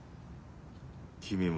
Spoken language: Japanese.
君も。